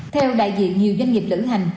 theo đại diện nhiều doanh nghiệp lữ hành